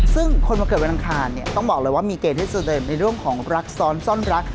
ซึ่งคนมาเกิดวันอังคารเนี่ยต้องบอกเลยว่ามีเกณฑ์ที่สุดเลยในเรื่องของรักซ้อนซ่อนรัก